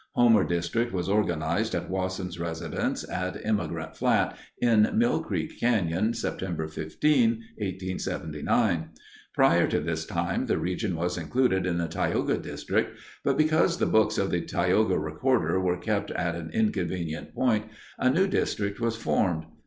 Homer District was organized at Wasson's residence at Emigrant Flat, in Mill Creek Canyon, September 15, 1879. Prior to this time the region was included in the Tioga District, but because the books of the Tioga recorder were kept at an inconvenient point, a new district was formed.